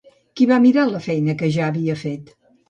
Qui va mirar la feina que ja havia fet?